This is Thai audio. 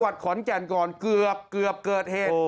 กวัดขอนแก่นก่อนเกือบเกือบเกิดเหตุ